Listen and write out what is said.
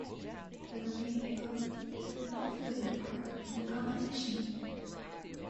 The remaining boat took no further part in the competition.